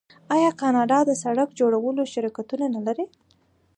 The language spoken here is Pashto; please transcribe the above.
آیا کاناډا د سړک جوړولو شرکتونه نلري؟